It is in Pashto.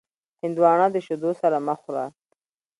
هندوانه د شیدو سره مه خوره.